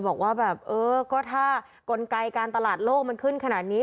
บอกว่าแบบเออก็ถ้ากลไกการตลาดโลกมันขึ้นขนาดนี้